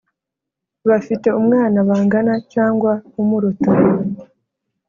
Bafite umwana bangana cyangwa umuruta.